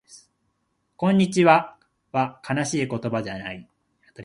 こんにちはは悲しい言葉じゃない